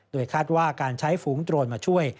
โดยคาดว่าการใช้ฝูงโดรนมาช่วย